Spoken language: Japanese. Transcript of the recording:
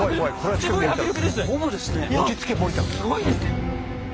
すごいですね。